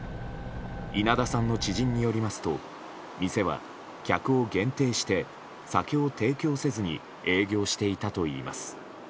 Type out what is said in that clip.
稲田さんの知人によりますと店は、客を限定して酒を提供せずに営業していたといいます。